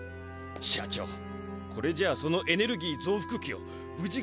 社長これじゃあそのエネルギーぞうふくきをぶじ